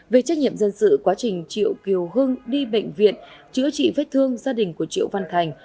về trách nhiệm dân sự quá trình triệu kiều hưng đi bệnh viện chữa trị vết thương gia đình của triệu văn thành